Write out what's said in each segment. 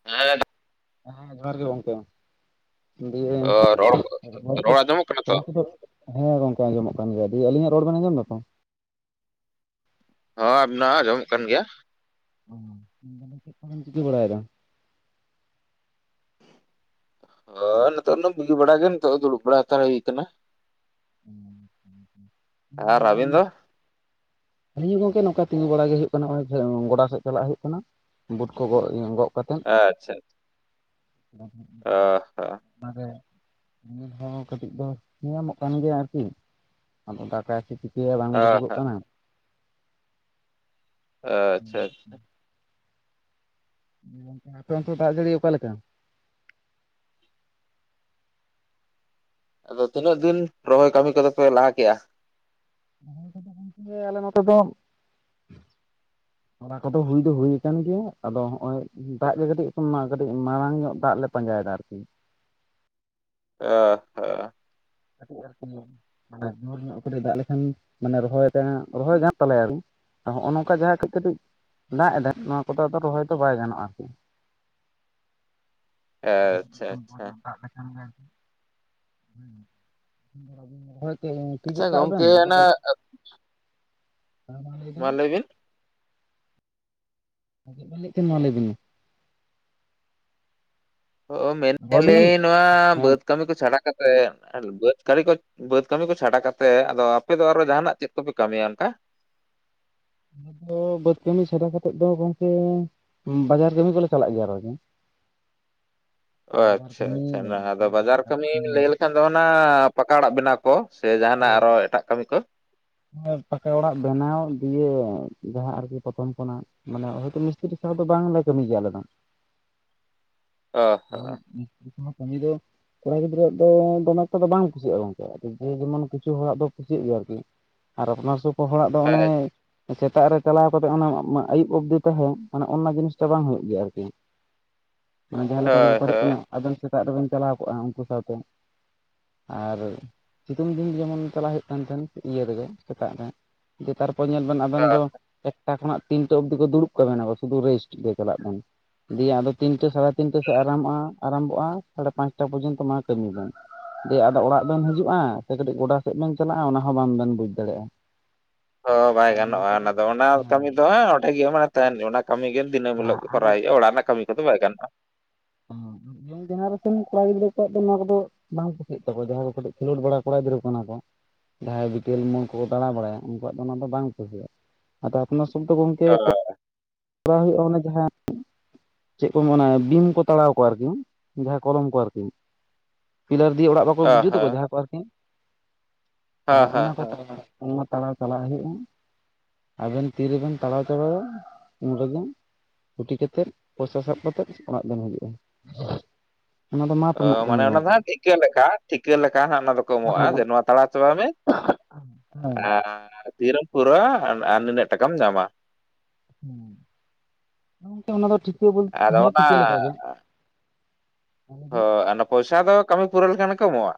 [unintelligible] ᱦᱮᱸ ᱡᱚᱦᱟᱨ ᱜᱮ ᱜᱚᱝᱠᱮ ᱾ ᱫᱤᱭᱮ ᱚ ᱨᱚᱲ ᱠᱚ ᱨᱚᱲ ᱟᱸᱡᱚᱢᱚᱜ [unintelligible] ᱠᱟᱱᱟ ᱛᱚ [unintelligible] ᱦᱮᱸ ᱜᱚᱝᱠᱮ ᱟᱸᱡᱚᱢ ᱠᱟᱱ ᱜᱮᱭᱟ ᱫᱤᱭᱮ ᱟᱞᱤᱧᱟᱜ ᱨᱚᱲ ᱵᱮᱱ ᱟᱸᱡᱚᱢ ᱫᱟ ᱛᱚ? ᱦᱚᱸ ᱟᱵᱤᱱᱟᱜ ᱦᱚ ᱟᱡᱚᱢᱚᱜ ᱠᱟᱱ ᱜᱮᱭᱟ ᱾ ᱩᱢ ᱛᱟᱦᱚᱞᱮ ᱪᱮᱫ ᱠᱚ ᱵᱮᱱ ᱪᱤᱠᱤ ᱵᱟᱲᱟᱭ ᱫᱟ? ᱚ ᱱᱤᱛᱚᱜ ᱱᱮ ᱵᱩᱜᱤ ᱵᱟᱲᱟ ᱜᱮ ᱱᱤᱛᱚᱜ ᱫᱚ ᱫᱩᱲᱩᱵ ᱵᱟᱲᱟ ᱦᱟᱛᱟᱲ ᱦᱩᱭ ᱠᱟᱱᱟ ᱾ ᱟᱨ ᱟᱵᱮᱱ ᱫᱚ? ᱦᱳᱭ ᱜᱚᱝᱠᱮ ᱱᱚᱝᱠᱟ ᱛᱤᱸᱜᱩ ᱵᱟᱲᱟ ᱜᱮ ᱦᱩᱭᱩᱜ ᱠᱟᱱᱟ ᱱᱚᱜ ᱚᱭ ᱜᱚᱰᱟ ᱥᱮᱫ ᱪᱟᱞᱟᱜ ᱦᱩᱭᱩᱜ ᱠᱟᱱᱟ ᱵᱩᱴ ᱠᱚ ᱜᱚᱜ ᱤᱭᱟᱹ ᱜᱚᱜ ᱠᱟᱛᱮᱫ [unintelligible] ᱟᱹ [unintelligible] [unintelligible] [unintelligible] ᱦᱚᱸ ᱠᱟᱹᱴᱤᱡ ᱫᱚ ᱧᱟᱢᱚᱜ ᱠᱟᱱ ᱜᱮᱭᱟ ᱟᱨᱠᱤ ᱟᱫᱚ [unintelligible] ᱪᱮ ᱦᱚᱸ ᱵᱟᱝ ᱚ ᱵᱩᱡᱩᱜᱚᱜ ᱦᱚᱸ ᱠᱟᱱᱟ ᱾ ᱟᱪᱪᱷᱟ-ᱟᱪᱪᱷᱟ ᱟᱯᱮ ᱚᱱᱛᱮ ᱫᱟᱜ ᱡᱟᱹᱲᱤ ᱚᱠᱟᱮᱠᱟ? ᱟᱫᱚ ᱛᱤᱱᱟᱹᱜ ᱫᱤᱱ ᱨᱚᱦᱚᱭ ᱠᱟᱹᱢᱤ ᱠᱚᱫᱚ ᱯᱮ ᱞᱟᱦᱟ ᱠᱮᱜᱼᱟ? ᱨᱚᱦᱚᱭ ᱠᱟᱫᱟᱞᱮ ᱟᱞᱮ ᱱᱚᱛᱮ ᱫᱚ [inaudible] ᱚᱱᱟ ᱠᱚᱫᱚ ᱦᱩᱭ ᱫᱚ ᱦᱩᱭᱟᱠᱟᱱ ᱜᱮᱭᱟ ᱟᱫᱚ ᱦᱚᱸᱜ-ᱚᱭ ᱫᱟᱜ ᱜᱮ ᱠᱟᱹᱴᱤᱡ ᱠᱟᱹᱴᱤᱡ ᱢᱟᱨᱟᱝ ᱧᱚᱜ ᱫᱟᱜ ᱞᱮᱫ ᱯᱟᱸᱡᱟ ᱭᱮᱫᱟ ᱟᱨ ᱠᱤ ᱾ ᱟᱹᱻ ᱠᱟᱹᱴᱤᱡ ᱟᱨᱠᱤ ᱢᱟᱱᱮ ᱡᱩᱨ ᱧᱚᱜ ᱠᱟᱹᱴᱤᱡ ᱫᱟᱜ ᱞᱮᱠᱷᱟᱱ ᱜᱤ ᱢᱟᱱᱮ ᱨᱚᱦᱚᱭ ᱛᱮ ᱦᱟᱜ ᱨᱚᱦᱚᱭ ᱜᱟᱱᱚᱜ ᱛᱟᱞᱮᱭᱟ ᱟᱨ ᱠᱤ ᱾ ᱱᱚᱜᱼᱚ ᱱᱚᱝᱠᱟ ᱡᱟᱦᱟᱸ ᱠᱟᱹᱡ ᱠᱟᱹᱴᱤᱡ ᱫᱟᱜ ᱮᱫᱟ ᱱᱚᱣᱟ ᱠᱚᱫᱚ ᱟᱫᱚ ᱨᱚᱦᱚᱭ ᱫᱚ ᱵᱟᱭ ᱜᱟᱱᱚᱜᱼᱟ ᱟᱨᱠᱤ᱾ [inaudible] ᱟᱪᱪᱷᱟ [unintelligible] ᱫᱟᱜ ᱞᱮᱠᱷᱟᱱ ᱜᱮ [inaudible] ᱦᱩᱸ [unintelligible] ᱦᱚᱭ ᱛᱮᱦᱤᱧ ᱟᱪᱪᱷᱟ ᱜᱚᱢᱠᱮ ᱚᱱᱟ ᱢᱟ [unintelligible] ᱞᱟᱹᱭ ᱵᱤᱱ [unintelligible] ᱚ ᱢᱮᱱᱮᱫ ᱨᱚᱲ ᱵᱮᱱ ᱟᱸᱡᱚᱢ ᱟᱞᱤᱧ ᱮᱫᱟ ᱱᱚᱣᱟ ᱦᱮᱸ ᱵᱟᱹᱫᱽ ᱠᱟᱹᱢᱤ ᱠᱚ ᱪᱷᱟᱲᱟ ᱠᱟᱛᱮᱫ ᱵᱟᱹᱫᱽ ᱠᱟᱹᱲᱤ ᱠᱚ ᱵᱟᱹᱫ ᱠᱟᱹᱢᱤ ᱠᱚ ᱪᱷᱟᱰᱟ ᱠᱟᱛᱮᱫ ᱟᱫᱚ ᱟᱯᱮᱫ ᱫᱚ ᱟᱨᱚ ᱡᱟᱦᱟᱱᱟᱜ ᱪᱮᱫ ᱠᱚᱯᱮ ᱠᱟᱹᱢᱤᱭᱟ ᱚᱱᱠᱟ? ᱟᱫᱚ ᱵᱟᱹᱫᱽ ᱠᱟᱹᱢᱤ ᱪᱷᱟᱰᱟ ᱠᱟᱛᱮᱫ ᱫᱚ ᱜᱚᱝᱠᱮ ᱵᱟᱡᱟᱨ ᱠᱟᱹᱢᱤ ᱠᱚᱞᱮ ᱪᱟᱞᱟᱜ ᱜᱮᱭᱟ ᱟᱨᱠᱤ᱾ [inaudible] ᱚ ᱵᱟᱡᱟᱨ ᱠᱟᱹᱢᱤ ᱟᱪᱪᱷᱟ-ᱟᱪᱪᱷᱟ ᱚᱱᱟ ᱟᱫᱚ ᱵᱟᱡᱟᱨ ᱠᱟᱹᱢᱤᱢ ᱞᱟᱹᱭ ᱞᱮᱠᱷᱟᱱ ᱫᱚ ᱚᱱᱟ ᱯᱟᱠᱟᱲᱟᱜ ᱵᱮᱱᱟᱣ ᱠᱚ? ᱠᱚ ᱥᱮ ᱡᱟᱦᱟᱱᱟᱜ ᱟᱨᱚ ᱮᱴᱟᱜ ᱠᱟᱹᱢᱤ ᱠᱚ? ᱦᱚᱭ ᱯᱟᱠᱟ ᱚᱲᱟᱜ ᱵᱮᱱᱟᱣ ᱫᱤᱭᱮ ᱡᱟᱦᱟᱸ ᱟᱨᱠᱤ ᱯᱚᱨᱛᱷᱚᱢ ᱠᱷᱚᱱᱟᱜ ᱢᱟᱱᱮ ᱦᱚᱭ ᱛᱚ ᱢᱤᱥᱛᱨᱤ ᱥᱟᱶ ᱫᱚ ᱵᱟᱝ ᱞᱮ ᱠᱟᱹᱢᱤ ᱜᱮᱭᱟ ᱟᱞᱮ ᱫᱚ ᱾ ᱚ ᱦᱚᱸ [unintelligible] ᱠᱟᱹᱢᱤ ᱫᱚ ᱠᱚᱲᱟ ᱜᱤᱫᱽᱨᱟᱹᱣᱟᱜ ᱫᱚ [unintelligible] ᱫᱚ ᱵᱟᱝ ᱠᱩᱥᱤᱭᱟᱜᱼᱟ ᱜᱚᱝᱠᱮ ᱡᱮ ᱡᱮᱢᱚᱱ ᱠᱤᱪᱷᱩ ᱦᱚᱲᱟᱜ ᱫᱚ ᱠᱩᱥᱤᱭᱟᱜ ᱜᱮᱭᱟ ᱟᱨᱠᱤ᱾ ᱟᱨ ᱟᱯᱱᱟᱨ ᱥᱩᱯ ᱦᱚᱲᱟᱜ ᱫᱚ ᱚᱱᱮ ᱦᱳᱭ ᱥᱮᱛᱟᱜ ᱨᱮ ᱪᱟᱞᱟᱣ ᱠᱟᱛᱮᱫ ᱚᱱᱟ ᱟᱹᱭᱩᱵ ᱚᱵᱫᱤ ᱛᱟᱦᱮᱸ ᱢᱮ ᱚᱱᱟ ᱡᱤᱱᱤᱥᱴᱟ ᱵᱟᱝ ᱦᱩᱭᱩᱜ ᱜᱮᱭᱟ ᱟᱨᱠᱤ ᱦᱮᱸ ᱡᱟᱦᱟᱸ ᱞᱮᱠᱟ ᱫᱚ ᱦᱳᱭ ᱵᱮᱯᱟᱨ ᱦᱩᱭᱩᱜ ᱦᱳᱭ ᱠᱟᱱᱟ ᱟᱵᱮᱱ ᱥᱮᱛᱟᱜ ᱨᱮᱵᱮᱱ ᱪᱟᱞᱟᱣ ᱠᱚᱜᱼᱟ ᱩᱱᱠᱩ ᱥᱟᱶᱛᱮ ᱟᱨ ᱥᱤᱛᱩᱝ ᱫᱤᱱ ᱡᱮᱢᱚᱱ ᱪᱟᱞᱟᱜ ᱦᱩᱭᱩᱜ ᱠᱟᱱ ᱛᱟᱦᱮᱱ ᱤᱭᱟᱹ ᱨᱮᱜᱮ ᱥᱮᱛᱟᱜ ᱨᱮ ᱵᱮᱯᱟᱨ ᱠᱚ ᱧᱮᱞ ᱵᱮᱱ ᱟᱵᱮᱱ ᱫᱚ ᱮᱠᱴᱟ ᱠᱷᱚᱱᱟᱜ ᱛᱤᱱᱴᱟ ᱚᱵᱫᱤ ᱠᱚ ᱫᱩᱲᱩᱵ ᱠᱟᱵ ᱥᱩᱫᱩ ᱨᱮᱥᱴ ᱜᱮ ᱪᱟᱞᱟᱜ ᱵᱮᱱ ᱫᱮ ᱟᱫᱚ ᱛᱤᱱᱴᱟ ᱥᱟᱲ ᱛᱤᱱᱴᱟ ᱟᱨᱟᱢᱚᱜᱼᱟ ᱟᱨᱟᱢᱵᱚᱜᱼᱟ ᱥᱟᱲᱮ ᱯᱟᱸᱪᱴᱟ ᱯᱚᱨᱡᱚᱱᱛᱚ ᱢᱟ ᱠᱟᱹᱢᱤ ᱵᱮᱱ ᱫᱤᱭᱮ ᱟᱫᱚ ᱚᱲᱟᱜ ᱵᱮᱱ ᱦᱤᱡᱩᱜᱼᱟ ᱥᱮ ᱠᱟᱹᱴᱤᱡ ᱜᱚᱰᱟ ᱥᱮᱫ ᱵᱮᱱ ᱪᱟᱞᱟᱜᱼᱟ ᱚᱱᱟᱦᱚᱸ ᱵᱟᱝ‌ ᱵᱮᱱ ᱵᱩᱡᱽ ᱫᱟᱲᱮᱭᱟᱜᱼᱟ ᱚ ᱵᱟᱭ ᱛᱟᱦᱚᱞᱮ ᱱᱚᱣᱟ ᱜᱟᱱᱚᱜᱼᱟ ᱠᱚᱫᱚ ᱚᱱᱟ ᱫᱚ ᱚᱱᱟ ᱦᱮᱸ ᱠᱟᱹᱢᱤ ᱦᱮᱸ ᱫᱚ ᱚᱸᱰᱮ ᱜᱮ ᱢᱟᱱᱮ ᱛᱟᱦᱮᱱ ᱚᱱᱟ ᱠᱟᱹᱢᱤ ᱜᱮ ᱫᱤᱱᱟᱹᱢ ᱦᱤᱞᱳᱜ ᱜᱮ ᱟᱨ ᱠᱚᱨᱟᱣ ᱦᱩᱭᱩᱜᱼᱟ ᱚᱲᱟᱜ ᱨᱮᱭᱟᱜ ᱠᱟᱹᱢᱤ ᱠᱚᱫᱚ ᱵᱟᱭ ᱜᱟᱱᱚᱜᱼᱟ ᱡᱮᱱᱟᱨᱮᱥᱚᱱ ᱠᱚᱲᱟ ᱜᱤᱫᱽᱨᱟᱹ ᱠᱚᱣᱟᱜ ᱫᱚ ᱱᱚᱣᱟ ᱠᱚᱫᱚ ᱵᱟᱝ ᱠᱩᱥᱤᱜ ᱛᱚᱵᱮ ᱫᱚ [unintelligible] ᱠᱷᱮᱞᱳᱰ ᱵᱟᱲᱟ ᱠᱚᱲᱟ ᱜᱤᱫᱽᱨᱟᱹ ᱠᱟᱱᱟ ᱠᱚ᱾ ᱡᱟᱦᱟᱸᱭ ᱵᱤᱴᱮᱞ ᱢᱚᱞ ᱠᱚ ᱫᱟᱬᱟ ᱵᱟᱲᱟᱭᱟ ᱩᱱᱠᱩᱣᱟᱜ ᱫᱚ ᱚᱱᱟ ᱫᱚ ᱵᱟᱝ ᱠᱩᱥᱤᱭᱟᱹᱜ, ᱟᱫᱚ ᱟᱯᱱᱟᱨ ᱥᱚᱵ ᱫᱚ ᱜᱚᱝ [unintelligible] ᱠᱚᱨᱟᱣ ᱦᱩᱭᱩᱜᱼᱟ ᱚᱱᱮ ᱡᱟᱦᱟᱸ ᱪᱮᱫ ᱠᱚ ᱢᱮᱱᱟ ᱵᱤᱢ ᱠᱚ ᱛᱟᱲᱟᱣ ᱠᱚᱣᱟ ᱟᱨᱠᱤ ᱡᱟᱦᱟᱸ ᱠᱚᱞᱚᱢ ᱠᱚ ᱟᱨᱠᱤ? ᱯᱤᱞᱟᱨ ᱫᱤᱭᱮ ᱚᱲᱟᱜ ᱵᱟᱠᱚ ᱚ ᱵᱩᱡᱩ ᱛᱟᱠᱚᱣᱟ ᱦᱚᱸ ᱡᱟᱦᱟᱸ ᱠᱚ ᱟᱨᱠᱤ [inaudible] ᱛᱟᱦᱚᱞᱮ ᱦᱚᱸ ᱚᱱᱟ ᱦᱚᱸ ᱠᱚ ᱦᱚᱸ [unintelligible] ᱚᱱᱟ ᱛᱟᱲᱟᱣ ᱪᱟᱞᱟᱜ ᱦᱩᱭᱩᱜᱼᱟ ᱟᱵᱮᱱ ᱛᱤᱨᱮᱵᱮᱱ ᱛᱟᱲᱟᱣ ᱪᱟᱵᱟᱭᱟ ᱚᱸᱰᱮ ᱜᱮ ᱦᱩᱴᱤ ᱠᱟᱛᱮᱫ ᱯᱚᱭᱥᱟ ᱥᱟᱵ ᱠᱟᱛᱮᱫ ᱚᱲᱟᱜ ᱫᱚᱢ ᱦᱤᱡᱩᱜᱼᱟ ᱾ ᱚ ᱢᱟᱱᱮ ᱚᱱᱟ ᱫᱚ ᱦᱟᱸᱜ ᱴᱷᱤᱠᱟᱹ ᱞᱮᱠᱟ ᱴᱷᱤᱠᱟᱹ ᱞᱮᱠᱟ ᱦᱟᱸᱜ ᱚᱱᱟ ᱫᱚᱠᱚ ᱮᱢᱚᱜᱼᱟ ᱦᱮᱸ ᱡᱮ ᱱᱚᱣᱟ ᱛᱟᱲᱟᱣ ᱪᱟᱵᱟᱭ ᱢᱮ ᱦᱮᱸ ᱛᱤᱨᱮᱢ ᱯᱩᱨᱟᱹᱣᱟ ᱟᱨ ᱱᱤᱱᱟᱹᱜ ᱴᱟᱠᱟᱢ ᱧᱟᱢᱟ ᱦᱩᱸ ᱦᱮᱸ ᱠᱤ ᱚᱱᱟ ᱫᱚ ᱴᱷᱤᱠᱟᱹ ᱵᱚᱞ ᱟᱫᱚ ᱦᱮᱸ ᱚᱱᱟ ᱴᱷᱤᱠᱟᱹ ᱞᱮᱠᱟᱜᱮ ᱦᱳᱭ ᱟᱨ ᱚᱱᱟ ᱯᱚᱭᱥᱟ ᱫᱚ ᱠᱟᱹᱢᱤ ᱯᱩᱨᱟᱹᱣ ᱞᱮᱱᱠᱷᱟᱱ ᱜᱮᱠᱚ ᱮᱢᱚᱜᱼᱟ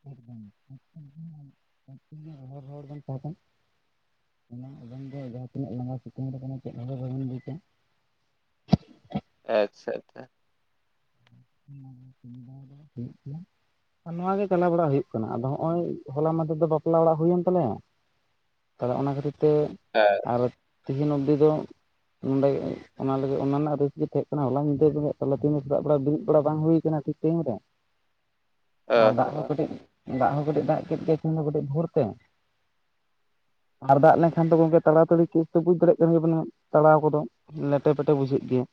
ᱦᱚᱲ ᱦᱚᱲ ᱵᱮᱱ ᱛᱟᱦᱮᱸ ᱠᱟᱱ ᱢᱟᱱᱮ ᱟᱵᱮᱱ ᱫᱚ ᱡᱟᱦᱟᱸ ᱛᱤᱱᱟᱹᱜ ᱞᱟᱸᱜᱟ ᱥᱤᱛᱩᱝ ᱨᱮ ᱠᱟᱱᱟ ᱪᱮᱫ ᱦᱚᱸ ᱵᱟᱵᱚᱱ ᱵᱩᱡᱟ ᱟᱪᱪᱷᱟ ᱟᱪᱪᱷᱟ ᱦᱩᱸ ᱥᱩᱵᱤᱫᱷᱟ ᱫᱚ ᱦᱩᱭᱩᱜ ᱜᱮᱭᱟ ᱟᱨ ᱱᱚᱣᱟ ᱜᱮ ᱪᱟᱞᱟᱣ ᱵᱟᱲᱟ ᱦᱩᱭᱩᱜ ᱠᱟᱱᱟ ᱟᱫᱚ ᱦᱚᱸ ᱚᱭ ᱦᱚᱞᱟ ᱢᱟᱫᱮᱨᱮ ᱫᱚ ᱵᱟᱯᱞᱟ ᱚᱲᱟᱜ ᱦᱩᱭᱮᱱ ᱛᱟᱞᱮᱭᱟ ᱛᱚᱵᱮ ᱚᱱᱟ ᱠᱷᱟᱹᱛᱤᱨ ᱛᱮ ᱦᱮᱸ ᱟᱨ ᱛᱤᱦᱤᱧ ᱚᱵᱽᱫᱤ ᱫᱚ ᱱᱚᱸᱰᱮ ᱚᱱᱟ ᱞᱟᱹᱜᱤᱫ ᱚᱱᱟ ᱨᱮᱱᱟᱜ ᱨᱮᱥ ᱜᱮ ᱛᱟᱦᱮᱸ ᱠᱟᱱᱟ ᱦᱚᱞᱟ ᱧᱤᱫᱟᱹ ᱵᱮᱸᱜᱮᱫ ᱛᱟᱞᱦᱮ ᱛᱤᱦᱤᱧ ᱦᱚᱸ ᱥᱮᱛᱟᱜ ᱵᱮᱲᱟ ᱵᱤᱨᱤᱫ ᱛᱚᱲᱟ ᱵᱟᱝ ᱦᱩᱭ ᱟᱠᱟᱱᱟ ᱴᱷᱤᱠ ᱴᱟᱭᱤᱢ ᱨᱮ ᱟᱨ ᱫᱟᱜ ᱦᱚᱸ ᱠᱟᱹᱴᱤᱡ ᱫᱟᱜ ᱦᱚᱸ ᱠᱟᱹᱴᱤᱡ ᱫᱟᱜ ᱠᱮᱫ ᱜᱮᱭᱟ ᱠᱤᱱ ᱫᱚ ᱠᱟᱹᱴᱤᱡ ᱵᱷᱳᱨ ᱛᱮ ᱟᱨ ᱫᱟᱜ ᱞᱮᱱᱠᱷᱟᱱ ᱫᱚ ᱜᱚᱝᱠᱮ ᱛᱟᱲᱟ ᱛᱟᱹᱲᱤ ᱠᱤᱥ ᱠᱚ ᱵᱩᱡ ᱫᱟᱲᱮᱭᱟᱜ ᱠᱟᱱ ᱜᱮᱭᱟᱵᱮᱱ ᱛᱟᱲᱟᱣ ᱠᱚᱫᱚ ᱞᱮᱴᱮ ᱯᱮᱴᱮ ᱵᱩᱡᱷᱟᱹᱜ ᱜᱮᱭᱟ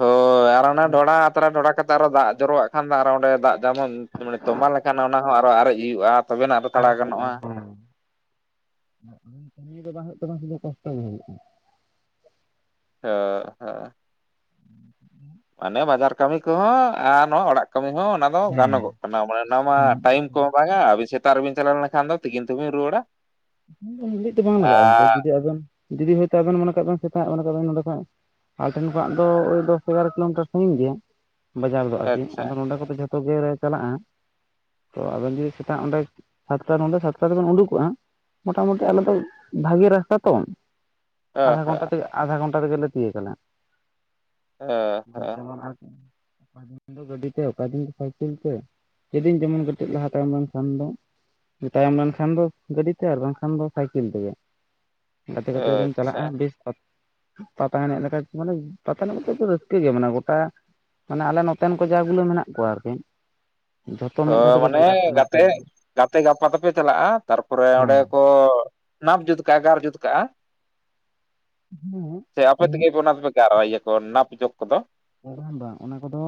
ᱦᱳᱭ ᱟᱨ ᱚᱱᱟ ᱰᱷᱚᱰᱟ ᱟᱛᱨᱟ ᱰᱷᱚᱰᱟ ᱠᱟᱛᱮ ᱟᱨᱚ ᱫᱟᱜ ᱡᱚᱨᱚᱣᱟᱜ ᱠᱷᱟᱱ ᱫᱚ ᱚᱸᱰᱮ ᱫᱟᱜ ᱡᱮᱢᱚᱱ ᱢᱟᱱᱮ ᱛᱚᱢᱵᱟ ᱞᱮᱠᱷᱟᱱ ᱚᱱᱟ ᱦᱚᱸ ᱟᱨᱚ ᱟᱨᱮᱡ ᱦᱩᱭᱩᱜᱼᱟ ᱛᱚᱵᱮᱱᱟᱜ ᱟᱨᱚ ᱟᱨ ᱛᱟᱲᱟᱣ ᱜᱟᱱᱚᱜᱼᱟ ᱦᱮᱸ ᱠᱟᱹᱢᱤ ᱫᱚ ᱵᱟᱝ ᱦᱩᱭᱩᱜ ᱛᱟᱢᱟ ᱥᱩᱫᱷᱩ ᱠᱚᱥᱴᱚ ᱜᱮ ᱦᱩᱭᱩᱜᱼᱟ [unintelligible] ᱦᱮᱸ ᱢᱟᱱᱮ ᱵᱟᱡᱟᱨ ᱠᱟᱹᱢᱤ ᱠᱚᱦᱚᱸ ᱟᱨ ᱱᱚᱣᱟ ᱚᱲᱟᱜ ᱠᱟᱹᱢᱤ ᱦᱚᱸ ᱚᱱᱟ ᱜᱟᱱᱚᱜᱚᱜ ᱠᱟᱱᱟ ᱢᱟᱱᱮ ᱚᱱᱟ ᱢᱟ ᱴᱟᱭᱤᱢ ᱠᱚ ᱵᱟᱝᱟ ᱟᱹᱵᱤᱱ ᱥᱮᱛᱟᱜ ᱨᱮᱵᱤᱱ ᱪᱟᱞᱟᱣ ᱞᱮᱱᱠᱷᱟᱱ ᱫᱚ ᱛᱤᱠᱤᱱ ᱛᱮᱵᱤᱱ ᱨᱩᱣᱟᱹᱲᱟ ᱤᱥᱤᱱ ᱫᱚ ᱩᱱ ᱜᱷᱟᱹᱲᱤᱡ ᱫᱚ ᱵᱟᱝ ᱞᱟᱜᱟᱜᱼᱟ ᱜᱚᱝᱠᱮ ᱟᱨ ᱡᱩᱫᱤ ᱟᱵᱮᱱ ᱡᱩᱫᱤ ᱦᱚᱭᱛᱳ ᱟᱵᱮᱱ ᱢᱚᱱ ᱠᱟᱜ ᱵᱮᱱ ᱥᱮᱛᱟᱜ ᱢᱚᱱᱮ ᱠᱟᱜ ᱵᱮᱱ ᱱᱚᱰᱮ ᱠᱷᱚᱡ ᱟᱞᱮ ᱴᱷᱮᱱ ᱠᱷᱱᱟᱜ ᱫᱚᱭ ᱫᱚᱥ ᱮᱜᱟᱨᱚ ᱠᱤᱞᱳᱢᱤᱴᱟᱨ ᱥᱟᱺᱜᱤᱧ ᱜᱮᱭᱟ ᱵᱟᱡᱟᱨ ᱫᱚ ᱟᱨᱠᱤ ᱟᱪᱪᱷᱟ ᱟᱫᱚ ᱱᱚᱰᱮ ᱠᱚᱫᱚ ᱡᱚᱛᱚ ᱡᱚᱛᱚ ᱜᱮᱞᱮ ᱪᱟᱞᱟᱜᱼᱟ ᱛᱚ ᱟᱵᱮᱱ ᱡᱩᱫᱤ ᱥᱮᱛᱟᱜ ᱚᱸᱰᱮ ᱥᱟᱛᱴᱟ ᱱᱚᱰᱮ ᱥᱟᱛᱴᱟ ᱛᱮᱵᱮᱱ ᱩᱰᱩᱠᱚᱜᱼᱟ ᱢᱚᱴᱟᱢᱩᱴᱤ ᱟᱞᱮ ᱫᱚ ᱵᱷᱟᱜᱮ ᱨᱟᱥᱛᱟ ᱛᱚ ᱟᱫᱷᱟ ᱜᱷᱚᱱᱴᱟ ᱛᱮᱜᱮ ᱟᱫᱷᱟ ᱜᱷᱚᱱᱴᱟ ᱛᱮᱜᱮᱞᱮ ᱛᱤᱭᱚᱜ ᱠᱟᱞᱮ ᱦᱟᱸᱜ ᱚ ᱡᱮᱢᱚᱱ ᱟᱥ ᱚᱠᱟ ᱫᱤᱱ ᱫᱚ ᱜᱟᱹᱰᱤ ᱛᱮ ᱚᱠᱟ ᱫᱤᱱ ᱫᱚ ᱥᱟᱭᱠᱮᱞ ᱛᱮ ᱥᱮᱫᱤᱱ ᱡᱮᱢᱚᱱ ᱠᱟᱴᱤᱡ ᱞᱟᱦᱟ ᱛᱟᱭᱚᱢ ᱞᱮᱱᱠᱷᱟᱱ ᱫᱚ ᱛᱟᱭᱚᱢ ᱞᱮᱱᱠᱷᱟᱱ ᱫᱚ ᱜᱟᱹᱰᱤ ᱟᱨ ᱵᱟᱝᱠᱷᱟᱱ ᱫᱚ ᱥᱟᱭᱠᱮᱞ ᱛᱮᱜᱮ ᱜᱟᱛᱮ ᱜᱟᱛᱮ ᱵᱚᱱ ᱟᱪᱪᱷᱟ ᱪᱟᱞᱟᱜᱼᱟ ᱵᱮᱥ ᱯᱟᱛᱟ ᱮᱡᱮᱡ ᱞᱮᱠᱷᱟᱡ ᱢᱟᱱᱮ ᱯᱟᱛᱟ ᱮᱱᱮᱡᱛ ᱨᱟᱹᱥᱠᱟᱹ ᱜᱮᱭᱟ ᱢᱟᱱᱮ ᱜᱚᱴᱟ ᱢᱟᱱᱮ ᱟᱞᱮ ᱱᱚᱛᱮᱱ ᱠᱚ ᱡᱟ ᱜᱩᱞᱟᱹ ᱢᱮᱱᱟᱜ ᱠᱚᱣᱟ ᱟᱨᱠᱤ ᱡᱷᱚᱛᱚ ᱢᱤᱫ ᱫᱷᱟᱣ ᱦᱳᱭ ᱛᱮᱠᱚ ᱢᱟᱱᱮ ᱪᱟᱞᱟᱜ ᱟᱠᱚ ᱚᱱᱟᱛᱮ ᱜᱟᱛᱮ ᱜᱟᱛᱮ ᱜᱟᱯᱟ ᱛᱮᱯᱮ ᱪᱟᱞᱟᱜᱼᱟ ᱛᱟᱨᱯᱚᱨᱮ ᱨᱮ᱾ ᱚᱸᱰᱮ ᱠᱚ ᱱᱟᱯ ᱡᱩᱛ ᱠᱟᱜᱼᱟ ᱜᱟᱨ ᱡᱩᱛ ᱠᱟᱜᱼᱟ ᱥᱮ ᱟᱯᱮ ᱛᱮᱜᱮ ᱦᱮᱸ ᱚᱱᱟ ᱫᱚᱯᱮ ᱜᱟᱨᱟᱣᱭᱟ ᱠᱚ ᱱᱟᱯ ᱡᱚᱜ ᱠᱚᱫᱚ ᱵᱟᱝ ᱵᱟᱝ ᱚᱱᱟ ᱠᱚᱫᱚ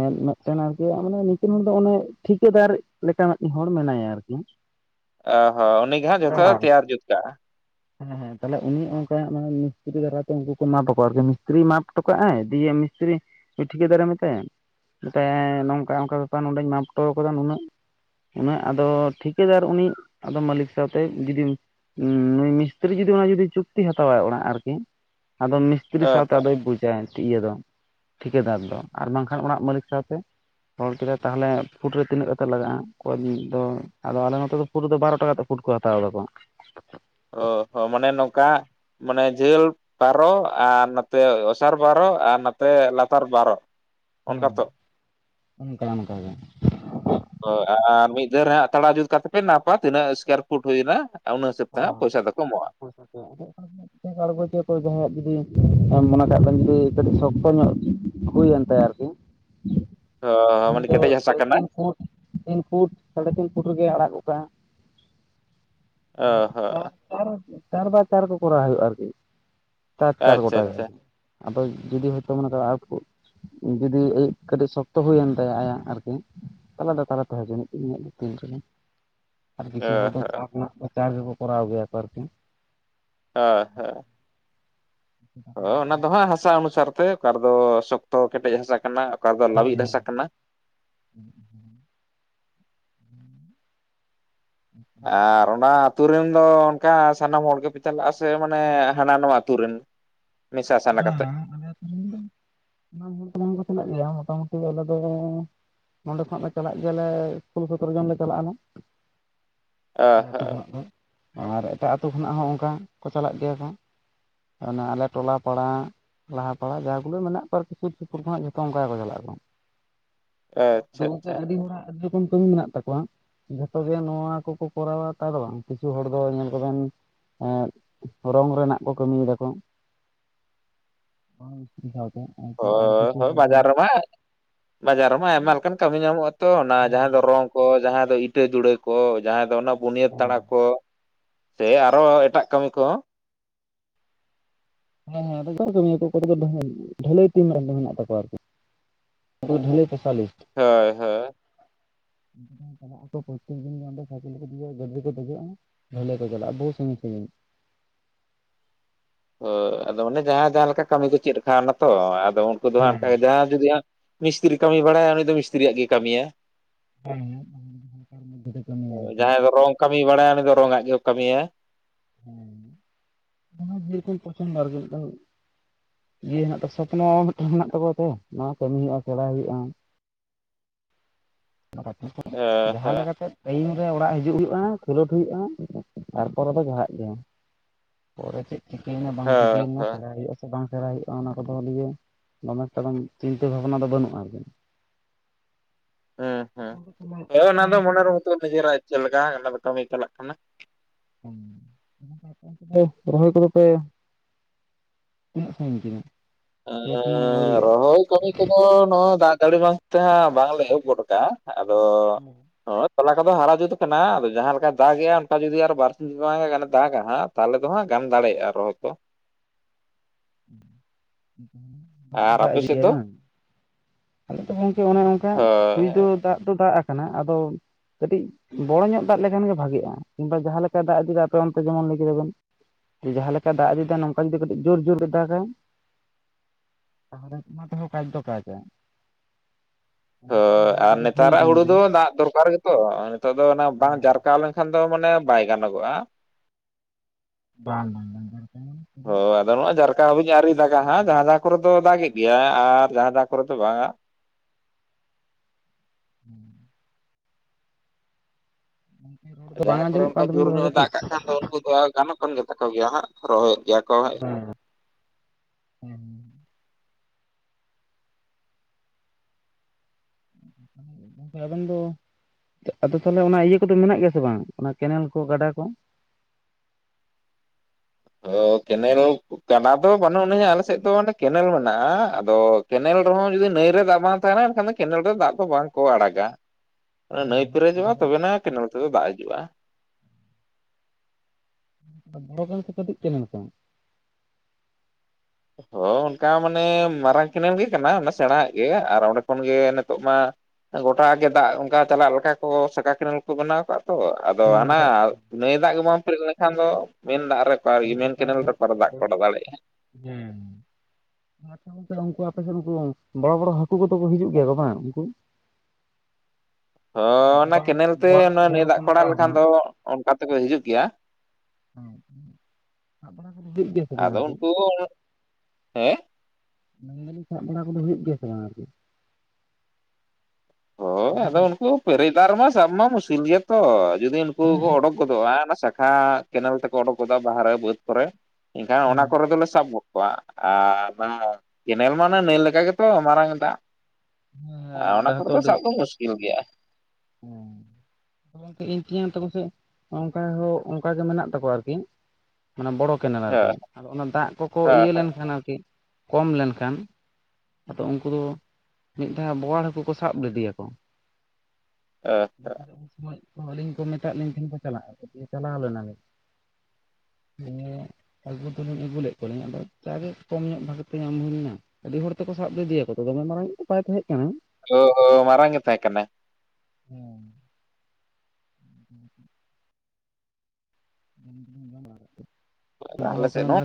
ᱮᱸ ᱢᱤᱫᱴᱮᱱ ᱟᱨᱠᱤ ᱢᱟᱱᱮ ᱱᱠᱟᱹᱱ ᱦᱚᱲ ᱫᱚ ᱚᱱᱮ ᱴᱷᱤᱠᱟᱹᱫᱟᱨ ᱞᱮᱠᱟᱱᱟᱜ ᱦᱚᱲ ᱢᱮᱱᱟᱭᱟ ᱟᱨᱠᱤ ᱚ ᱦᱚ ᱩᱱᱤ ᱜᱮ ᱦᱟᱸᱜ ᱡᱚᱛᱚ ᱦᱮᱸ ᱛᱮᱭᱟᱨ ᱡᱩᱛ ᱠᱟᱜᱼᱟ ᱦᱮᱸ ᱦᱮᱸ ᱛᱟᱞᱦᱮ ᱩᱱᱤ ᱚᱱᱠᱟ ᱢᱟᱱᱮ ᱢᱤᱥᱛᱨᱤ ᱫᱟᱨᱟᱭᱛᱮ ᱩᱱᱠᱩ ᱠᱚ ᱢᱟᱯ ᱟᱠᱚᱣᱟ ᱟᱨᱠᱤ ᱢᱤᱥᱛᱨᱤ ᱢᱟᱯ ᱦᱚᱴᱚ ᱠᱟᱜᱼᱟᱭ ᱫᱤᱭᱮ ᱢᱤᱥᱛᱨᱤ ᱴᱷᱤᱠᱟᱹᱫᱟᱨᱮ ᱢᱮᱛᱟᱭᱟ ᱢᱮᱛᱟᱭᱟ ᱱᱚᱝᱠᱟ ᱚᱝᱠᱟ ᱵᱮᱯᱟᱨ ᱱᱚᱸᱰᱮᱧ ᱢᱟᱯ ᱦᱚᱴᱚᱣᱟᱟᱠᱟᱫᱟ ᱱᱩᱱᱟᱹᱜ ᱤᱱᱟᱹᱜ ᱟᱫᱚ ᱴᱷᱤᱠᱟᱹᱫᱟᱨ ᱩᱱᱤ ᱟᱫᱚ ᱢᱟᱹᱞᱤᱠ ᱥᱟᱶᱛᱮ ᱡᱩᱫᱤᱢ ᱩᱸᱻ ᱱᱩᱭ ᱢᱤᱥᱛᱨᱤ ᱡᱩᱫᱤ ᱚᱱᱟ ᱡᱩᱫᱤ ᱪᱩᱠᱛᱤ ᱦᱟᱛᱟᱣᱟᱭ ᱚᱲᱟᱜ ᱟᱨᱠᱤ ᱟᱫᱚ ᱢᱤᱥ ᱪᱤᱞᱤ ᱚ ᱥᱟᱶᱛᱮ ᱦᱚᱸ ᱟᱫᱚᱭ ᱵᱩᱡᱟᱭ ᱤᱭᱟᱹ ᱫᱚ ᱴᱷᱤᱠᱟᱹᱫᱟᱨ ᱫᱚ ᱟᱨ ᱵᱟᱝᱠᱷᱟᱱ ᱚᱲᱟᱜ ᱢᱟᱹᱞᱤᱠ ᱥᱟᱶᱛᱮ ᱨᱚᱲ ᱠᱮᱫᱟ ᱛᱟᱦᱞᱮ ᱯᱷᱩᱴ ᱨᱮ ᱛᱤᱱᱟᱹᱜ ᱠᱟᱛᱮ ᱞᱟᱜᱟᱜᱼᱟ ᱚᱠᱚᱭ ᱫᱚ ᱟᱫᱚ ᱟᱞᱮ ᱱᱚᱛᱮ ᱫᱚ ᱯᱩ ᱫᱚ ᱵᱟᱨᱚ ᱴᱟᱠᱟ ᱠᱟᱛᱮ ᱯᱷᱩᱴᱠᱚ ᱦᱟᱛᱟᱣ ᱮᱫᱟᱠᱚ ᱚ ᱦᱚᱸ ᱢᱟᱱᱮ ᱱᱚᱝᱠᱟ ᱢᱟᱱᱮ ᱡᱷᱟᱹᱞ ᱵᱟᱨᱚ ᱟᱨ ᱱᱚᱛᱮ ᱚᱥᱟᱨ ᱵᱟᱨᱚ ᱟᱨ ᱱᱚᱛᱮ ᱞᱟᱛᱟᱨ ᱵᱟᱨᱚ ᱦᱮᱸ ᱚᱱᱠᱟ ᱛᱚ ᱚᱱᱠᱟ ᱚᱱᱠᱟᱜᱮ ᱟᱨ ᱢᱤᱫ ᱫᱚ ᱨᱮ ᱦᱟᱜ ᱛᱟᱲᱟ ᱡᱩᱛ ᱠᱟᱛᱮ ᱯᱮ ᱱᱟᱯᱟ ᱛᱤᱱᱟᱹᱜ ᱥᱠᱚᱭᱟᱨ ᱯᱷᱩᱴ ᱦᱩᱭᱱᱟ ᱟᱨ ᱚᱱᱟ ᱦᱤᱥᱟᱹᱵ ᱛᱮᱦ ᱯᱚᱭᱥᱟ ᱫᱚᱠᱚ ᱮᱢᱚᱜᱼᱟ ᱲᱜᱠᱚ ᱡᱟᱦᱟᱸᱭᱟᱜ ᱡᱩᱫᱤ ᱮᱢ ᱢᱚᱱᱮ ᱠᱟᱜ ᱛᱟᱭ ᱡᱩᱤ ᱠᱟᱹᱴᱤᱡ ᱥᱚᱠᱛᱚ ᱧᱚᱜ ᱦᱩᱭᱮᱱ ᱛᱟᱭᱟ ᱟᱨᱠᱤ ᱚ ᱩᱱᱤ ᱢᱟᱱᱮ ᱫᱚ ᱠᱮᱴᱮᱡ ᱦᱟᱥᱟ ᱠᱟᱱᱟ ᱛᱤᱱ ᱯᱷᱩᱴ ᱛᱤᱱ ᱯᱷᱩᱴ ᱥᱟᱲᱮ ᱛᱤᱱ ᱯᱷᱩᱴ ᱨᱮᱜᱮ ᱟᱲᱟᱜ ᱠᱟᱜᱼᱟ ᱚ ᱦᱚᱸ ᱪᱟᱨ ᱵᱟᱭ ᱪᱟᱨ ᱠᱚ ᱠᱚᱨᱟᱣ ᱦᱩᱭᱩᱜᱼᱟ ᱟᱨᱠᱤ ᱪᱟᱨ ᱪᱟᱨ ᱟᱪᱪᱷᱟ ᱜᱚᱴᱟ ᱟᱪᱪᱷᱟ ᱡᱟᱭᱜᱟ ᱟᱫᱚ ᱡᱩᱫᱤ ᱦᱚᱭᱛᱳ ᱢᱟᱱᱮ ᱡᱩᱫᱤᱭ ᱠᱟᱹᱴᱤᱡ ᱥᱚᱠᱛᱚ ᱦᱩᱭᱮᱱ ᱛᱟᱭᱟ ᱟᱭᱟᱜ ᱟᱨᱠᱤ ᱛᱟᱞᱟ ᱫᱚ ᱛᱟᱞᱟᱛᱮ ᱦᱤᱡᱩᱜ ᱢᱤᱫ ᱫᱚ ᱛᱤᱱ ᱡᱚᱱ [inaudible] ᱟᱨ ᱠᱤᱪᱷᱩ ᱦᱚᱲ ᱫᱚ ᱦᱚᱸ ᱪᱟᱥ ᱨᱮᱱᱟᱜ ᱫᱚ ᱪᱟᱥ ᱜᱮᱠᱚ ᱠᱚᱨᱟᱣ ᱜᱮᱭᱟ ᱠᱚ ᱟᱨᱠᱤ ᱦᱮᱸ ᱦᱮᱸ ᱦ ᱚᱱᱟ ᱫᱚ ᱦᱟᱸᱜ ᱦᱟᱥᱟ ᱚᱱᱩᱥᱟᱨ ᱛᱮ ᱚᱠᱟᱫᱚ ᱥᱚᱠᱛᱚ ᱠᱮᱴᱮᱡ ᱦᱟᱥᱟ ᱠᱟᱱᱟ ᱚᱠᱟ ᱨᱮᱫᱚ ᱞᱟᱹᱵᱤᱫ ᱦᱟᱥᱟ ᱠᱟᱱᱟ [unintelligible] [inaudible] ᱟᱨ ᱚᱱᱟ ᱟᱹᱛᱩ ᱨᱮᱱ ᱫᱚ ᱚᱱᱠᱟ ᱥᱟᱱᱟᱢ ᱦᱚᱲ ᱜᱮᱯᱮ ᱪᱟᱞᱟᱜᱼᱟ ᱥᱮ ᱢᱟᱱᱮ ᱦᱟᱱᱟ ᱱᱚᱣᱟ ᱟᱹᱛᱩ ᱨᱮᱱ [inaudible] ᱠᱟᱛᱮᱜ [inaudible] [inaudible] ᱚᱱᱟ ᱫᱚ ᱢᱮᱱᱟᱜ ᱜᱮᱭᱟ ᱢᱚᱴᱟᱢᱩᱴᱤ ᱟᱞᱮ ᱫᱚ ᱱᱚᱰᱮ ᱠᱷᱚᱱᱟᱜ ᱞᱮ ᱪᱟᱞᱟᱜ ᱜᱮᱭᱟᱞᱮ ᱥᱳᱞᱳ ᱥᱳᱚᱛᱨᱳ ᱡᱚᱱ ᱞᱮ ᱪᱟᱞᱟᱜᱼᱟ ᱚ ᱟᱞᱮ ᱟᱹᱛᱩ ᱦᱚᱸ ᱠᱷᱚᱱᱟᱜ ᱫᱚ ᱚᱱᱟ ᱮᱴᱟᱜ ᱟᱹᱛᱩᱳ ᱠᱷᱚᱱᱟᱜ ᱦᱚᱸ ᱚᱱᱠᱟ ᱠᱚ ᱪᱟᱞᱟᱜ ᱜᱮᱭᱟ ᱠᱚ ᱚᱱᱟ ᱟᱞᱮ ᱴᱚᱞᱟ ᱯᱟᱲᱟ ᱞᱟᱦᱟ ᱯᱟᱲᱟ ᱡᱟ ᱜᱩᱞᱳ ᱢᱮᱱᱟᱜ ᱠᱚᱣᱟ ᱟᱨᱠᱤ ᱥᱩᱨ ᱥᱩᱯᱩᱨ ᱠᱷᱚᱱᱟᱜ ᱡᱷᱚᱛᱚ ᱚᱱᱠᱟ ᱜᱮᱠᱚ ᱪᱟᱞᱟᱜ ᱟᱠᱚ [inaudible] ᱟᱫᱚ ᱜᱚᱢᱠᱮ ᱟᱪᱪᱷᱟ ᱟᱹᱰᱤ ᱦᱚᱲᱟᱜ ᱟᱹᱰᱤ ᱨᱚᱠᱚᱢ ᱠᱟᱹᱢᱤ ᱢᱮᱱᱟᱜ ᱛᱟᱠᱚᱣᱟ ᱡᱷᱚᱛᱚ ᱜᱮ ᱱᱚᱣᱟ ᱠᱚᱠᱚ ᱠᱚᱨᱟᱣᱟ ᱛᱟ ᱫᱚ ᱵᱟᱝ ᱠᱤᱪᱷᱩ ᱦᱚᱲ ᱫᱚ ᱧᱮᱞ ᱠᱚᱵᱮᱱ ᱨᱚᱝ ᱨᱮᱱᱟᱜ ᱠᱚ ᱠᱟᱹᱢᱤᱭ ᱫᱟᱠᱚ [unintelligible] ᱦᱚ ᱟᱨ ᱠᱤᱪᱷᱩ ᱦᱚ ᱦᱚᱲ ᱫᱚ ᱵᱟᱡᱟᱨ ᱢᱟ ᱵᱟᱡᱟᱨ ᱨᱮᱢᱟ ᱟᱭᱢᱟ ᱞᱮᱠᱟᱱ ᱠᱟᱹᱢᱤ ᱧᱟᱢᱚᱜ ᱟᱛᱚ ᱚᱱᱟ ᱡᱟᱦᱟᱸ ᱫᱚ ᱨᱚᱝ ᱡᱟᱦᱟᱸᱭ ᱫᱚ ᱤᱴᱟᱹᱫᱩᱲᱟᱹ ᱠᱚ ᱡᱟᱦᱟᱸᱭ ᱫᱚ ᱩᱱᱟᱜ ᱵᱩᱱᱤᱭᱟᱹᱫ ᱛᱟᱲᱟ ᱠᱚ ᱥᱮ ᱟᱨᱚ ᱮᱴᱟᱜ ᱠᱟᱹᱢᱤ ᱠᱚ ᱦᱮᱸ ᱦᱮᱸ ᱟᱫᱚ ᱠᱟᱹᱢᱤᱭᱟ ᱠᱚ ᱚᱭ ᱫᱚ ᱰᱷᱟᱹᱞᱟᱹᱭ ᱴᱤᱢ ᱨᱮᱱ ᱫᱚ ᱢᱮᱱᱟᱜ ᱛᱟᱠᱚᱣᱟ ᱟᱨᱠᱤ ᱵᱷᱟᱹᱞᱟᱹᱭ ᱯᱮᱥᱟᱞᱤᱥᱴ ᱦᱳᱭ ᱦᱳᱭ ᱯᱨᱚᱛᱛᱮᱠ ᱫᱤᱱ ᱜᱮ ᱚᱰᱮ ᱥᱟᱭᱠᱮᱞ ᱠᱚ ᱫᱮᱡᱚᱜᱼᱟ ᱜᱟᱹᱰᱤ ᱠᱚ ᱫᱮᱡᱚᱜᱼᱟ ᱵᱷᱟᱹᱞᱟᱹᱭ ᱠᱚ ᱪᱟᱞᱟᱜᱼᱟ ᱵᱚᱦᱩ ᱥᱟᱺᱜᱤᱧ ᱥᱟᱺᱜᱤᱧ ᱦᱳᱭ ᱟᱫᱚ ᱚᱱᱮ ᱡᱟᱦᱟᱸᱭ ᱡᱟᱦᱟᱸᱮ ᱞᱮᱠᱟ ᱠᱟᱹᱢᱤ ᱠᱚ ᱪᱮᱫᱠᱟᱣᱱᱟ ᱛᱚ ᱟᱫᱚ ᱩᱱᱠᱩ ᱫᱚ ᱦᱟᱸᱜ ᱚᱱᱠᱟ ᱡᱟᱦᱟᱸᱭ ᱡᱩᱫᱤ ᱦᱟᱸᱜ ᱢᱤᱥᱛᱤᱨᱤ ᱠᱟᱹᱢᱤ ᱵᱟᱲᱟᱭᱟ ᱩᱱᱤ ᱫᱚ ᱢᱤᱥᱛᱤᱨᱤᱭᱟᱜ ᱜᱮᱭ ᱠᱟᱹᱢᱤᱭᱟ ᱦᱮᱸ ᱚᱠᱟ ᱢᱚᱫᱽᱫᱷᱮ ᱨᱮ ᱠᱟᱹᱢᱤᱭᱟ ᱟᱨᱠᱤ ᱡᱟᱦᱟᱸᱭ ᱫᱚ ᱨᱚᱝ ᱠᱟᱹᱢᱤᱭ ᱵᱟᱲᱟᱭᱟ ᱩᱱᱤ ᱫᱚ ᱨᱚᱝ ᱟᱜ ᱜᱮᱭ ᱠᱟᱹᱢᱤᱭᱟ ᱦᱮᱸ ᱡᱮᱨᱚᱠᱚᱢ ᱯᱚᱪᱷᱚᱱᱫᱚ ᱟᱨᱠᱤ ᱡᱤᱭᱟᱹ ᱦᱮᱱᱟᱜ ᱛᱚ ᱥᱚᱯᱱᱚ ᱢᱤᱴ ᱦᱮᱱᱟᱜ ᱛᱟᱠᱚᱣᱟ ᱱᱚᱣᱟ ᱠᱟᱹᱢᱤ ᱦᱩᱭᱩᱜᱼᱟ ᱠᱚᱨᱟᱣ ᱦᱩᱭᱩᱜᱼᱟ [inaudible] ᱮ ᱡᱟᱦᱟᱸ ᱞᱮᱠᱟ ᱠᱟᱛᱮ ᱴᱟᱭᱤᱢ ᱨᱮ ᱚᱲᱟᱜ ᱦᱤᱡᱩᱜ ᱦᱩᱭᱩᱜᱼᱟ ᱠᱷᱮᱞᱳᱰ ᱦᱩᱭᱩᱜᱼᱟ ᱛᱟᱨᱯᱚᱨᱮ ᱫᱚ ᱡᱟᱦᱟᱜ ᱜᱮ ᱯᱚᱨᱮ ᱪᱮᱫ ᱪᱤᱠᱟᱹᱭᱮᱱᱟ ᱵᱟᱝ ᱦᱳᱭ ᱪᱤᱠᱟᱹᱭᱮᱱᱟ ᱦᱳᱭ ᱥᱮᱬᱟᱭ ᱦᱩᱭᱩᱜᱼᱟ ᱥᱮ ᱵᱟᱝ ᱥᱮᱬᱟᱭ ᱦᱩᱭᱩᱜᱼᱟ ᱚᱱᱟ ᱠᱚᱫᱚ ᱞᱤᱭᱮ ᱫᱚᱢᱮ [unintelligible] ᱪᱤᱱᱛᱟᱹ ᱵᱷᱟᱵᱱᱟ ᱫᱚ ᱵᱟᱹᱱᱩᱜᱼᱟ ᱟᱨᱠᱤ ᱦᱮᱸ ᱦᱮᱸ ᱦᱳᱭ ᱚᱱᱟ ᱫᱚ ᱢᱚᱱᱮᱨ ᱢᱚᱛᱚ ᱱᱤᱡᱮᱨᱟᱜ ᱪᱮᱫ ᱞᱮᱠᱟ ᱚᱱᱟ ᱫᱚ ᱠᱟᱹᱢᱤ ᱪᱟᱞᱟᱜ ᱠᱟᱱᱟ [unintelligible] ᱨᱚᱦᱚᱭ ᱠᱚᱫᱚ ᱯᱮ ᱛᱤᱱᱟᱜ [unintelligible] ᱨᱚᱦᱚᱭ ᱠᱟᱹᱢᱤ ᱠᱚᱫᱚ ᱱᱚᱜᱚᱭ ᱫᱟᱜ ᱡᱟᱹᱲᱤ ᱵᱟᱝ ᱛᱮ ᱦᱟᱜ ᱵᱟᱝᱞᱮ ᱮᱦᱚᱵ ᱜᱚᱫ ᱠᱟᱜᱼᱟ ᱟᱫᱚ ᱛᱚᱞᱟ ᱠᱚᱫᱚ ᱦᱟᱨᱟ ᱡᱩᱛ ᱠᱟᱱᱟ ᱟᱫᱚ ᱡᱟᱦᱟᱸ ᱞᱮᱠᱟ ᱫᱟᱜᱮᱼᱟ ᱚᱱᱠᱟ ᱡᱩᱫᱤ ᱟᱨ ᱵᱟᱨᱥᱤᱧ [unintelligible] ᱵᱟᱝ ᱫᱟᱜᱟ ᱦᱟᱸᱜ ᱛᱟᱦᱚᱞᱮ ᱫᱚ ᱦᱟᱸᱜ ᱜᱟᱱ ᱫᱟᱲᱮᱭᱟᱜᱼᱟ ᱨᱚᱦᱚᱭ ᱛᱚ [inaudible] ᱟᱜᱚᱸ ᱟᱨ ᱫᱟᱜ ᱟᱯᱮ ᱤᱫᱤᱭ ᱥᱮᱫ ᱜᱮᱭᱟ ᱫᱚ ᱵᱟᱝ ᱟᱞᱮ ᱛᱚ ᱜᱚᱝᱠᱮ ᱚᱱᱮ ᱚᱱᱠᱟ ᱦᱳᱭ ᱦᱩᱭ ᱫᱚ ᱫᱟᱜ ᱫᱚ ᱫᱟᱜ ᱟᱠᱟᱱᱟ ᱟᱫᱚ ᱠᱟᱹᱴᱤᱡ ᱵᱚᱲᱚ ᱧᱚᱜ ᱫᱟᱜ ᱞᱮᱠᱷᱟᱱ ᱜᱮ ᱵᱷᱟᱜᱤᱜᱼᱟ ᱠᱤᱝᱵᱟ ᱡᱟᱦᱟᱸ ᱞᱮᱠᱟ ᱫᱟᱜ ᱤᱫᱤ ᱫᱟ ᱟᱯᱮ ᱚᱱᱛᱮ ᱡᱮᱢᱚᱱ ᱞᱟᱹᱭ ᱠᱮᱫᱟ ᱵᱮᱱ ᱡᱟᱦᱟᱸ ᱞᱮᱠᱟ ᱫᱟᱜ ᱡᱩᱫᱤ ᱱᱚᱝᱠᱟ ᱡᱩᱫᱤ ᱠᱟᱹᱴᱤᱡ ᱡᱳᱨ ᱡᱳᱨ [unintelligible] [unintelligible] ᱚᱱᱟ ᱛᱮᱦᱚᱸ ᱠᱟᱡ ᱫᱚ ᱠᱟᱡᱟ ᱚᱱᱟ ᱦᱳ ᱠᱚᱫᱚ ᱦᱩᱭ ᱟᱨ ᱠᱚᱫᱚ ᱦᱩᱭ ᱱᱮᱛᱟᱨᱟᱜ ᱠᱟᱱ ᱦᱩᱲᱩ ᱜᱮᱭᱟ ᱫᱚ ᱫᱟᱜ ᱫᱚᱨᱠᱟᱨ ᱜᱮᱛᱚ ᱱᱤᱛᱚᱜ ᱫᱚ ᱚᱱᱟ ᱵᱟᱝ ᱦᱮᱸ ᱡᱟᱨᱠᱟ ᱠᱷᱟᱱ ᱫᱚ ᱢᱚᱱᱮ ᱵᱟᱭ ᱜᱟᱱᱚᱜᱚᱜᱼᱟ ᱵᱟᱝ ᱵᱟᱝ ᱵᱟᱝ ᱜᱚᱝᱠᱮ ᱦᱳ ᱟᱫᱚ [unintelligible] ᱟᱹᱣᱨᱤ ᱫᱟᱜᱟ ᱦᱟᱜ ᱡᱟᱦᱟᱸ ᱠᱚᱨᱮ ᱫᱚ ᱫᱟᱜᱮ ᱜᱮᱭᱟ ᱟᱨ ᱡᱟᱦᱟᱸ ᱫᱟᱜ ᱠᱚᱨᱮ ᱫᱚ ᱵᱟᱝ-ᱟ ᱦᱮᱸ ᱨᱚᱲ ᱫᱚ ᱵᱟᱝ ᱡᱟᱦᱟᱸ ᱠᱚᱨᱮ ᱟᱸᱡᱚᱢᱚᱜ ᱚᱱᱠᱟ ᱠᱟᱱ ᱛᱟᱵᱤᱱ ᱡᱳᱨ ᱫᱚ ᱧᱚᱜ ᱵᱷᱟᱜᱮ ᱮ ᱫᱟᱜ ᱴᱷᱤᱠ ᱠᱟᱜ ᱠᱷᱟᱱ ᱫᱚ ᱩᱱᱠᱩ ᱫᱚ ᱜᱟᱱᱚᱜ ᱠᱟᱱ ᱜᱮᱛᱟ ᱠᱚ ᱜᱮᱭᱟ ᱦᱟᱸᱜ ᱨᱚᱦᱚᱭᱮᱫ ᱜᱮᱭᱟ ᱠᱚ ᱦᱟᱸᱜ ᱦᱮᱸ [unintelligible] ᱫᱚ ᱟᱫᱚ ᱛᱟᱦᱚᱞᱮ ᱚᱱᱟ ᱤᱭᱟᱹ ᱠᱚᱫᱚ ᱢᱮᱱᱟᱜ ᱜᱮᱭᱟ ᱥᱮ ᱵᱟᱝ ᱚᱱᱟ ᱠᱮᱱᱮᱞ ᱠᱚ ᱜᱟᱰᱟ ᱠᱚ ᱚ ᱠᱮᱱᱮᱞ ᱦᱮᱸ ᱠᱟᱸᱰᱟ ᱫᱚ ᱵᱟᱹᱱᱩᱜ ᱟᱹᱱᱤᱡ ᱟᱞᱮ ᱥᱮᱫ ᱫᱚ ᱚᱸᱰᱮ ᱠᱮᱱᱮᱞ ᱢᱮᱱᱟᱜᱼᱟ ᱟᱫᱚ ᱠᱮᱱᱮᱞ ᱨᱮᱦᱚᱸ ᱡᱩᱫᱤ ᱱᱟᱹᱭ ᱨᱮ ᱫᱟᱜ ᱵᱟᱝ ᱛᱟᱦᱮᱱᱟ ᱮᱱᱠᱷᱟᱱ ᱫᱚ ᱠᱮᱱᱮᱞ ᱨᱮ ᱫᱟᱜ ᱫᱚ ᱵᱟᱝ ᱠᱚ ᱟᱲᱟᱜᱟ ᱦᱮᱸ ᱱᱟᱹᱭ ᱯᱮᱨᱮᱡᱚᱜᱼᱟ ᱛᱚᱵᱮᱱᱟ ᱠᱮᱱᱮᱞ ᱛᱮᱫᱚ ᱫᱟᱜ ᱦᱤᱡᱩᱜᱼᱟ ᱜᱚᱲᱚᱛᱮ ᱠᱟᱹᱴᱤᱡ ᱛᱮ [unintelligible] ᱦᱳᱭ ᱚᱱᱠᱟ ᱢᱟᱱᱮ ᱢᱟᱨᱟᱝ ᱠᱮᱱᱮᱞ ᱜᱮ ᱠᱟᱱᱟ ᱥᱮᱬᱟ ᱟᱜ ᱜᱮ ᱟᱨ ᱚᱸᱰᱮ ᱠᱷᱚᱱᱜᱮ ᱱᱤᱛᱚᱜ ᱢᱟ ᱜᱚᱴᱟ ᱜᱮ ᱫᱟᱜ ᱚᱱᱠᱟ ᱪᱟᱞᱟᱜ ᱞᱮᱠᱟ ᱠᱚ ᱥᱟᱠᱟ ᱠᱮᱱᱮᱞ ᱠᱚ ᱵᱮᱱᱟᱣ ᱠᱟᱜ ᱛᱚ ᱟᱫᱚ ᱚᱱᱮ ᱦᱟᱱᱟ ᱚᱱᱠᱟ ᱱᱟᱹᱭ ᱫᱟᱜ ᱜᱮ ᱵᱟᱢ ᱯᱮᱨᱮᱫ ᱞᱮᱱᱠᱷᱟᱱ ᱫᱚ ᱢᱮᱱ ᱫᱟᱜ ᱨᱮ ᱟᱫᱚ [unintelligible] ᱚᱠᱟ ᱠᱮᱱᱮᱞ ᱨᱮᱫᱚ ᱵᱚᱲᱚ ᱨᱮ [inaudible] ᱦᱮᱸ ᱟᱪᱪᱷᱟ ᱜᱚᱝᱠᱮ ᱩᱱᱠᱩ ᱟᱯᱮ ᱥᱮᱫ ᱩᱱᱠᱩ ᱵᱚᱲᱚ ᱵᱚᱲᱚ ᱦᱟᱹᱠᱩ ᱠᱚᱫᱚ ᱠᱚ ᱦᱤᱡᱩᱜ ᱜᱮᱭᱟ ᱠᱚ ᱵᱟᱝ ᱩᱱᱠᱩ [inaudible] ᱦᱚ ᱚᱱᱟ ᱵᱚᱣᱟᱲ ᱠᱮᱱᱮᱞ ᱛᱮ ᱵᱚᱣᱟᱲ ᱦᱟᱹᱠᱩ ᱱᱟᱹᱭ ᱡᱟᱦᱟᱸ ᱠᱚᱠᱚ ᱫᱟᱜ ᱠᱚ ᱢᱮᱛᱟ ᱟᱲᱟᱜ ᱞᱮᱠᱷᱟᱱ ᱠᱟᱱᱟ ᱫᱚ ᱚᱱᱠᱟ ᱛᱮᱠᱚ ᱦᱤᱡᱩᱜ ᱜᱮᱭᱟ ᱦᱮᱸ [unintelligible] ᱦᱳᱭᱳᱜ ᱜᱮᱭᱟ ᱥᱮ ᱵᱟᱝ ᱟᱫᱚ ᱟᱨᱠᱤ ᱩᱱᱠᱩ ᱦᱮᱸ ᱢᱮᱱ ᱛᱟᱞᱤᱧ ᱥᱟᱵ ᱵᱟᱲᱟ ᱠᱚᱫᱚ ᱦᱩᱭᱩᱜ ᱜᱮᱭᱟ ᱥᱮ ᱵᱟᱝ ᱟᱨᱠᱤ ᱦᱳᱭ ᱟᱫᱚ ᱱᱩᱠᱩ ᱯᱮᱨᱮᱡ ᱫᱟᱜ ᱨᱮ ᱢᱟ ᱥᱟᱵ ᱢᱟ ᱢᱩᱥᱠᱤᱞ ᱜᱮᱭᱟ ᱛᱚ, ᱡᱩᱫᱤ ᱱᱩᱠᱩ ᱠᱚ ᱚᱰᱚᱠ ᱠᱚᱫᱚ ᱟᱨ ᱚᱱᱟ ᱥᱟᱠᱷᱟ ᱠᱮᱱᱮᱞ ᱛᱮᱠᱚ ᱚᱰᱚᱠ ᱜᱚᱫᱚᱜ, ᱵᱟᱦᱨᱮ ᱵᱟᱹᱫᱽ ᱠᱚᱨᱮ ᱮᱱᱠᱷᱟᱱ ᱚᱱᱟ ᱦᱮᱸ ᱠᱚᱨᱮ ᱫᱚᱞᱮ ᱥᱟᱵ [unintelligible] ᱟᱨ ᱚᱱᱟ ᱠᱮᱱᱮᱞ ᱢᱟᱱᱮ ᱱᱟᱹᱭ ᱞᱮᱠᱟ ᱜᱮᱛᱚ ᱢᱟᱨᱟᱝ ᱫᱟᱜ ᱦᱮᱸ ᱚᱱᱟ ᱦᱮᱸ ᱚᱸᱰᱮ ᱠᱚᱨᱮ ᱟᱹᱰᱤ ᱥᱟᱵ ᱠᱚ ᱢᱩᱥᱠᱤᱞ ᱜᱮᱭᱟ᱾ ᱦᱮᱸ ᱚᱱᱛᱮ ᱤᱧ ᱛᱮᱭᱟᱝ ᱛᱟᱠᱚ ᱥᱮᱜ ᱚᱱᱠᱟ ᱦᱚᱸ ᱚᱱᱠᱟᱜᱮ ᱢᱮᱱᱟᱜ ᱛᱟᱠᱚᱣᱟ ᱟᱨᱠᱤ ᱢᱟᱱᱮ ᱵᱚᱲᱚ ᱠᱮᱱᱮᱞ ᱟᱨᱠᱤ ᱦᱮᱸ ᱚᱱᱟ ᱫᱟᱜ ᱠᱚᱠᱚ ᱦᱮᱸ ᱤᱭᱟᱹ ᱦᱮᱸ ᱞᱮᱱᱠᱷᱟᱱ ᱟᱨᱠᱤ ᱠᱚᱢ ᱞᱮᱱᱠᱷᱟᱱ ᱟᱫᱚ ᱩᱱᱠᱩ ᱫᱚ ᱢᱤᱫ ᱫᱷᱟᱣ ᱵᱳᱚᱣᱟᱲ ᱦᱟᱹᱠᱩ ᱠᱚ ᱥᱟᱵ ᱞᱮᱫᱮᱭᱟ ᱠᱚ ᱚ ᱩᱱ ᱥᱚᱢᱚᱭ ᱠᱚ ᱟᱹᱞᱤᱧ ᱠᱚ ᱢᱮᱛᱟᱜ ᱞᱤᱧ ᱛᱟᱦᱮᱱ ᱠᱚ ᱪᱟᱞᱟᱜᱼᱟ ᱪᱟᱞᱟᱣ ᱞᱮᱱᱟᱞᱤᱧ [unintelligible] ᱟᱹᱜᱩ ᱫᱚᱞᱤᱧ ᱟᱹᱜᱩ ᱞᱮᱫ ᱠᱚᱣᱟᱞᱤᱧ ᱟᱫᱚ ᱡᱟᱜᱮ ᱠᱚᱢ ᱧᱚᱜ ᱵᱷᱟᱜ ᱛᱮ ᱧᱟᱢ ᱦᱩᱭ ᱞᱮᱱᱟ ᱟᱹᱰᱤ ᱦᱚᱲ ᱛᱮᱠᱚ ᱥᱟᱵ ᱞᱮᱫᱮᱭᱟ ᱠᱚ ᱫᱚᱢᱮ ᱢᱟᱨᱟᱝᱤᱡ ᱫᱚ ᱵᱟᱭ ᱛᱟᱦᱮᱸ ᱠᱟᱱᱟ ᱚ ᱢᱟᱨᱟᱝ ᱜᱮ ᱛᱟᱦᱮ ᱠᱟᱱᱟᱭ ᱦᱮᱸ ᱦᱮᱸ ᱡᱚᱢ ᱧᱩ ᱵᱟᱜ ᱟᱞᱮ ᱥᱮᱫ ᱦᱚᱸ